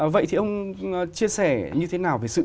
vậy thì ông chia sẻ như thế nào về sự